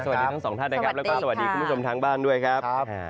สวัสดีทั้งสองท่านนะครับแล้วก็สวัสดีคุณผู้ชมทางบ้านด้วยครับ